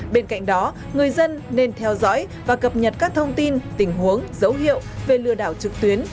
bên cạnh đó người dân nên theo dõi và cập nhật các thông tin tình huống dấu hiệu về lừa đảo trực tuyến